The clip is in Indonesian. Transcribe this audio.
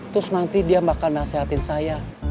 terus nanti dia bakal nasehatin saya